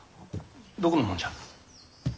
どこのもんじゃ？